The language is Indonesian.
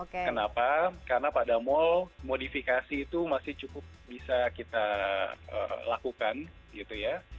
kenapa karena pada mal modifikasi itu masih cukup bisa kita lakukan gitu ya